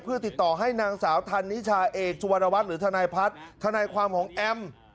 เพื่อติดต่อให้นางสาวธันนิชาเอกสุวรรณวัฒน์หรือทนายพัฒน์ทนายความของแอม